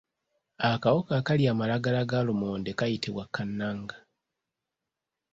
Akawuka akalya amalagala ga lumonde kayitibwa kannanga.